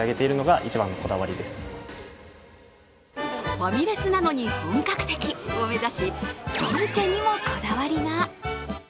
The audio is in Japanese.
ファミレスなのに本格的を目指し、ドルチェにもこだわりが。